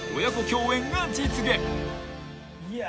いや。